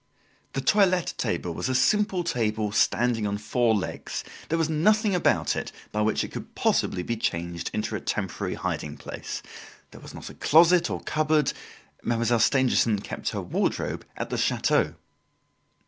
The toilette table was a simple table standing on four legs; there was nothing about it by which it could possibly be changed into a temporary hiding place. There was not a closet or cupboard. Mademoiselle Stangerson kept her wardrobe at the chateau.